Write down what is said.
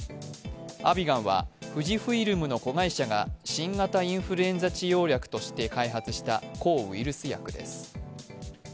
アビガンは富士フイルムの子会社が新型インフルエンザ治療薬として開発した抗ウイルス薬です。